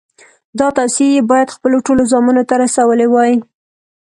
دا توصیې یې باید خپلو ټولو زامنو ته رسولې وای.